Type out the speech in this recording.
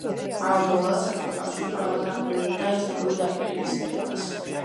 ამავდროულად საბჭოთა კავშირი ფარულად აღვივებდა ეთნიკური დაპირისპირებას.